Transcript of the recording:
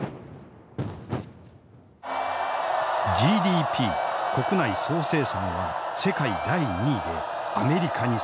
ＧＤＰ国内総生産は世界第２位でアメリカに迫る。